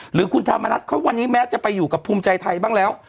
หรือคุณธรรมนัฐเขาวันนี้แม้จะไปอยู่กับภูมิใจไทยบ้างแล้ว